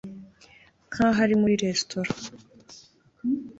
nkaho ari muri restaurant